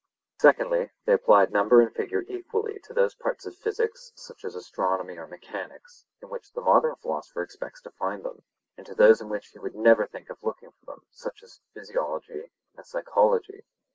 Secondly, they applied number and figure equally to those parts of physics, such as astronomy or mechanics, in which the modern philosopher expects to find them, and to those in which he would never think of looking for them, such as physiology and psychology.